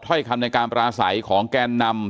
ถ้อยคำในการปราศัยของแกนนำ